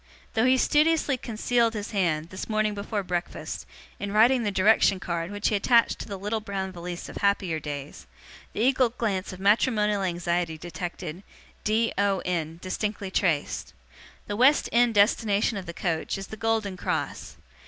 Though he studiously concealed his hand, this morning before breakfast, in writing the direction card which he attached to the little brown valise of happier days, the eagle glance of matrimonial anxiety detected, d, o, n, distinctly traced. The West End destination of the coach, is the Golden Cross.